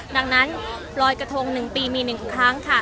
ดังนั้นปล่อยกระทง๑ปีมี๑ครั้งค่ะ